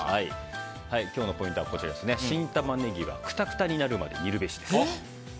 今日のポイントは、新タマネギはクタクタになるまで煮るべしです。